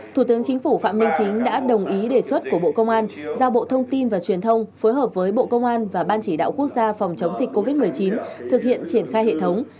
thủ tướng chính phủ phạm minh chính đã đồng ý đề xuất của bộ công an giao bộ thông tin và truyền thông phối hợp với bộ công an và ban chỉ đạo quốc gia phòng chống dịch covid một mươi chín thực hiện triển khai hệ thống